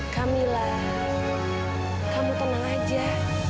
kamilah kamu tenang saja